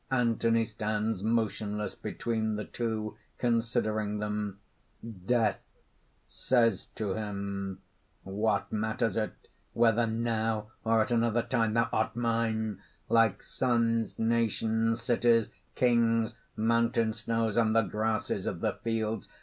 _ Anthony stands motionless between the two, considering them): DEATH (says to him): "What matters it, whether now or at another time! Thou art mine, like suns, nations, cities, kings, mountain snows, and the grasses of the fields.